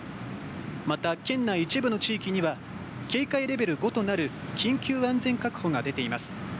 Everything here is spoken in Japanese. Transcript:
また、県内一部の地域には警戒レベル５となる緊急安全確保が出ています。